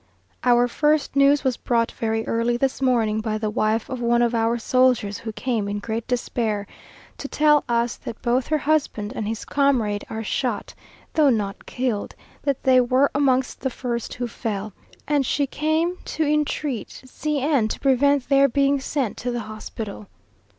Our first news was brought very early this morning by the wife of one of our soldiers, who came in great despair, to tell us that both her husband and his comrade are shot, though not killed that they were amongst the first who fell; and she came to entreat C n to prevent their being sent to the hospital.